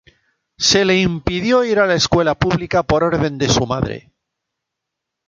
Se le impidió ir a la escuela pública por orden de su madre.